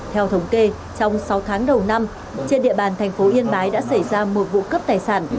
theo thống kê trong sáu tháng đầu năm trên địa bàn thành phố yên bái đã xảy ra một vụ cướp tài sản